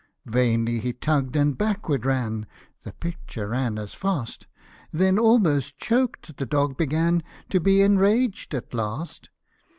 Vainly he tugg'd, and backwards ran ; The pitcher ran as fast ; When almost choked, the dog began To be enraged at last.